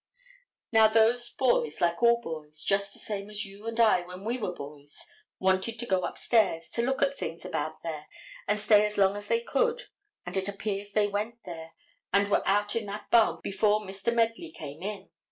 Now, those boys, like all boys, just the same as you and I when we were boys, wanted to go upstairs, to look at things about there and stay as long as they could, and it appears they went there and were out in that barn before Mr. Medley came there.